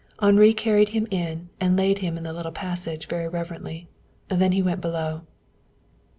Henri carried him in and laid him in the little passage, very reverently. Then he went below.